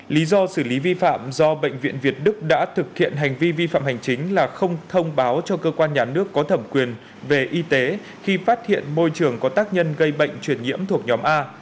lý do xử lý vi phạm do bệnh viện việt đức đã thực hiện hành vi vi phạm hành chính là không thông báo cho cơ quan nhà nước có thẩm quyền về y tế khi phát hiện môi trường có tác nhân gây bệnh truyền nhiễm thuộc nhóm a